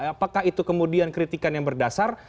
apakah itu kemudian kritikan yang berdasar